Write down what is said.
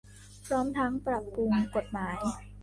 พร้อมทั้งปรับปรุงกฎหมาย